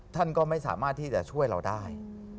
ท่านก็ไม่สามารถที่จะช่วยเราได้